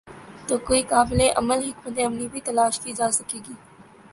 تو کوئی قابل عمل حکمت عملی بھی تلاش کی جا سکے گی۔